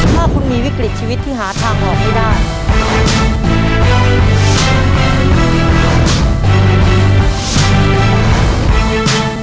ถ้าคุณมีวิกฤตชีวิตที่หาทางออกไม่ได้